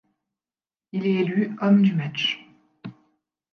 Il est élu Homme du match.